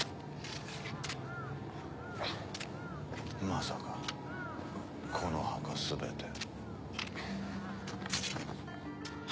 まさかこの墓全て。